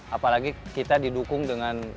apalagi kita didukung dengan